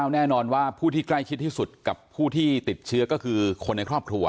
แน่นอนว่าผู้ที่ใกล้ชิดที่สุดกับผู้ที่ติดเชื้อก็คือคนในครอบครัว